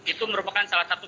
itu merupakan salah satu